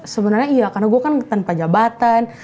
sebenarnya iya karena gue kan tanpa jabatan